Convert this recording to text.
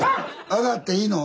上がっていいの？